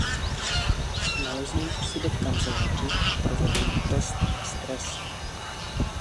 Nalezne ji u sebe v kanceláři a provede ji test na stres.